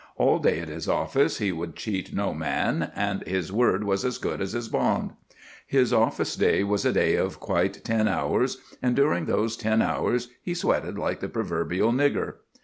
All day at his office he would cheat no man, and his word was as good as his bond. His office day was a day of quite ten hours, and during those ten hours he sweated like the proverbial nigger.